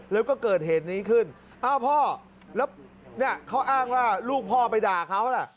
แล้วก็เกิดเหตุนี้ขึ้นอ้าวพ่อแล้วเนี่ยเขาอ้างว่าลูกพ่อไปด่าเขาน่ะ